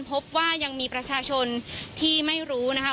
พบว่ายังมีประชาชนที่ไม่รู้นะคะ